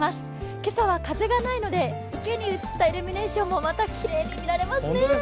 今朝は風がないので、池に映ったイルミネーションもきれいですね。